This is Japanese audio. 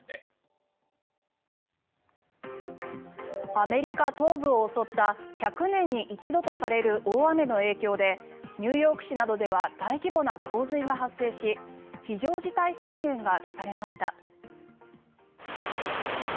アメリカ東部を襲った１００年に一度とされる大雨の影響でニューヨーク市などでは大規模な洪水が発生し非常事態宣言が出されました。